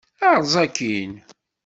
Erẓ akkin!